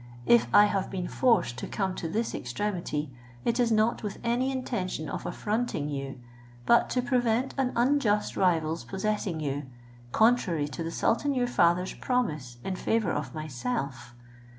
If I have been forced to come to this extremity, it is not with any intention of affronting you, but to prevent an unjust rival's possessing you, contrary to the sultan your father's promise in favour of myself."